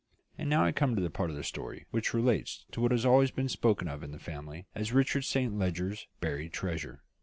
And now I come to the part of the story which relates to what has always been spoken of in the family as Richard Saint Leger's buried treasure.